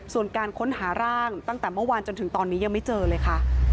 ส่วนการค้นหาร่างตั้งแต่เมื่อวานจนถึงตอนนี้ยังไม่เจอเลยค่ะ